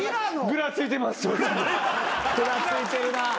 ぐらついてるな。